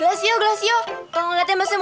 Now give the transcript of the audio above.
makasih kakek makasih